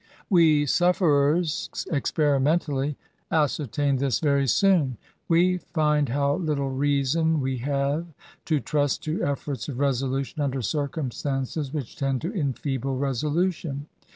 We sufferers experimentally ascertain this very soon. We find how little reason we have to trust to efforts of resolution under circum stances which tend to enfeeble resolution.